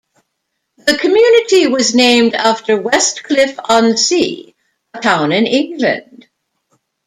The community was named after Westcliff-on-Sea, a town in England.